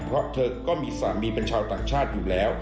เพราะเธอก็มีสามีเป็นชาวต่างชาติอยู่แล้ว